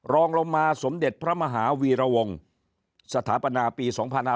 รองลงมาสมเด็จพระมหาวีรวงศ์สถาปนาปี๒๕๕๙